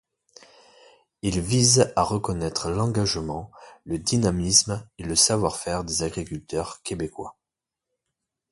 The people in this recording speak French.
Il vise à reconnaître l’engagement, le dynamisme et le savoir-faire des agriculteurs québécois.